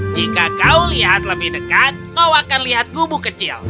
jika kau lihat lebih dekat kau akan lihat gubuk kecil